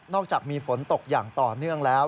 อกจากมีฝนตกอย่างต่อเนื่องแล้ว